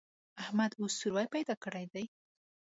احمد اوس سوری پیدا کړی دی.